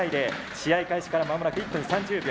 試合開始からまもなく１分３０秒。